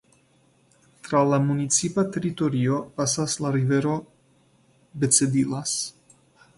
Tra la municipa teritorio pasas la rivero Becedillas.